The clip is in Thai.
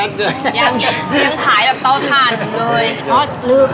ยังขายเอ่ดเต๋าทานออกเลย